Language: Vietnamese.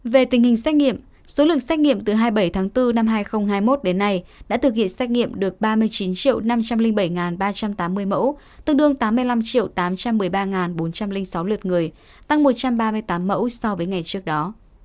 về tình hình xét nghiệm số lượng xét nghiệm từ hai mươi bảy tháng bốn năm hai nghìn hai mươi một đến nay đã thực hiện xét nghiệm được ba mươi chín năm trăm linh bảy ba trăm tám mươi mẫu tương đương tám mươi năm tám trăm một mươi ba bốn trăm linh sáu lượt người tăng một trăm ba mươi tám mẫu so với ngày trước đó